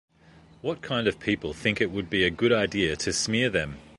What kind of people think it would be a good idea to smear them?